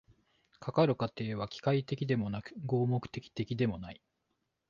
かかる過程は機械的でもなく合目的的でもない。